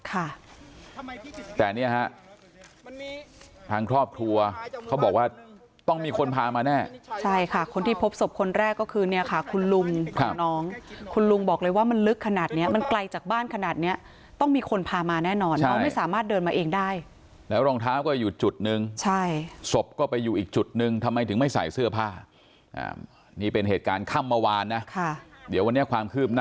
ค่ะแต่เนี่ยฮะทางครอบครัวเขาบอกว่าต้องมีคนพามาแน่ใช่ค่ะคนที่พบศพคนแรกก็คือเนี่ยค่ะคุณลุงของน้องคุณลุงบอกเลยว่ามันลึกขนาดเนี้ยมันไกลจากบ้านขนาดเนี้ยต้องมีคนพามาแน่นอนน้องไม่สามารถเดินมาเองได้แล้วรองเท้าก็อยู่จุดนึงใช่ศพก็ไปอยู่อีกจุดหนึ่งทำไมถึงไม่ใส่เสื้อผ้านี่เป็นเหตุการณ์ค่ำเมื่อวานนะค่ะเดี๋ยววันนี้ความคืบหน้า